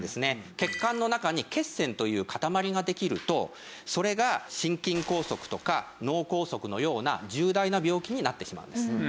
血管の中に血栓というかたまりができるとそれが心筋梗塞とか脳梗塞のような重大な病気になってしまうんです。